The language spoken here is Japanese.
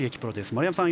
丸山さん